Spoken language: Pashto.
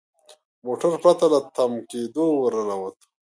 موټر پرته له تم کیدو ور ننوت.